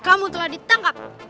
kamu telah ditangkap